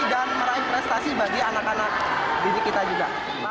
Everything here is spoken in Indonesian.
dan meraih prestasi bagi anak anak didik kita juga